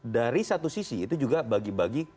dari satu sisi itu juga bagi bagi